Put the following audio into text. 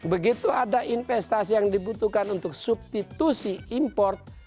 begitu ada investasi yang dibutuhkan untuk substitusi import